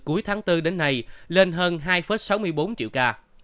cuối tháng bốn đến nay lên hơn hai sáu mươi bốn triệu ca